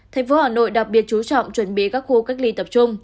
tp hà nội đặc biệt chú trọng chuẩn bị các khu cách ly tập trung